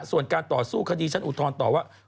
ส่วนการต่อสู้คดีชั้นอุทธรณ์ต่อว่า